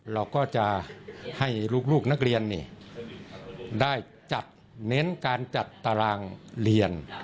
เราก็จะให้ลูกนักเรียนได้จัดเน้นการจัดตารางเรียน